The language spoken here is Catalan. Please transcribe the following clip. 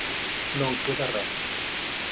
No en queda res.